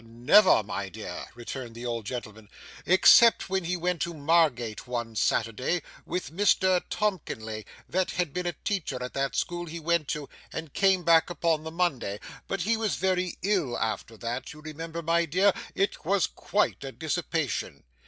'Never, my dear,' returned the old gentleman, 'except when he went to Margate one Saturday with Mr Tomkinley that had been a teacher at that school he went to, and came back upon the Monday; but he was very ill after that, you remember, my dear; it was quite a dissipation.